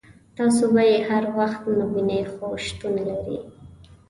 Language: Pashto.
تاسو به یې هر وخت نه وینئ خو شتون لري.